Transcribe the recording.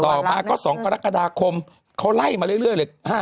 ต่อมา๒ปรกษาคมเขาไล่มาเร่ง๕๕๕๕